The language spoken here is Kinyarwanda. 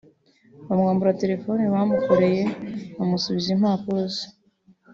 bamwambura telefone bamurekuye bamusubiza impapuro ze